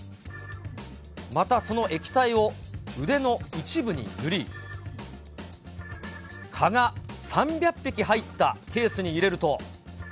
また、その液体を腕の一部に塗り、蚊が３００匹入ったケースに入れると。